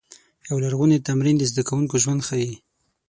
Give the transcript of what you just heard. یو لرغونی تمرین د زده کوونکو ژوند ښيي.